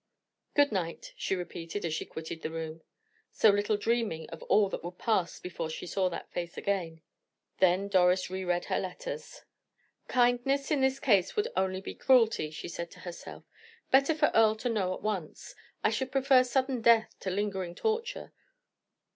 "Good night," she repeated as she quitted the room, so little dreaming of all that would pass before she saw that face again. Then Doris re read her letters. "Kindness in this case would only be cruelty," she said to herself. "Better for Earle to know at once. I should prefer sudden death to lingering torture."